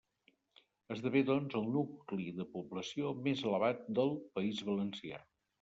Esdevé doncs el nucli de població més elevat del País Valencià.